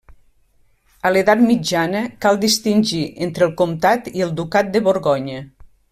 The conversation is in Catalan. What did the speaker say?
A l'edat mitjana, cal distingir entre el comtat i el ducat de Borgonya.